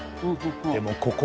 でもここで。